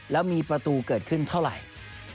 แล้วมีประตูเกิดขึ้นเท่าไหร่